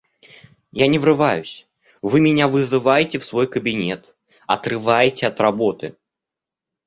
Я не врываюсь, Вы меня вызываете в свой кабинет, отрываете от работы.